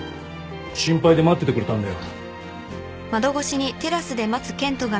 心配で待っててくれたんだよ。